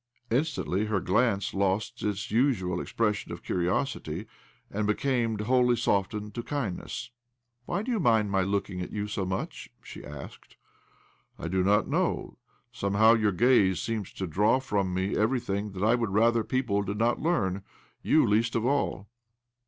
Instantly her glance lost its usual expres sion of curiosity, and became wholly softened to kirtdness. ' Why do you mind my looking at you so much?" she asked. 174 OBLOMOV " I do not know. Somehow your gaze seems to draw from me everything* that I would rather people did not learn — you least of all."